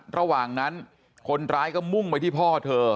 ระหว่างนั้นคนร้ายก็มุ่งไปที่พ่อเธอ